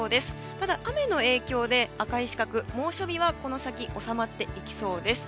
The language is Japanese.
ただ雨の影響で赤い四角猛暑日はこの先、収まっていきそうです。